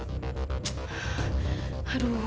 aduh aku harus gimana nih